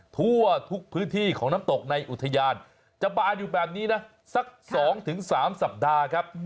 ทั่วทุกพื้นที่ของน้ำตกในอุทยานจะบานอยู่แบบนี้นะสัก๒๓สัปดาห์ครับ